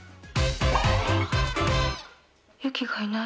ユキがいない！